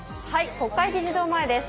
国会議事堂前です。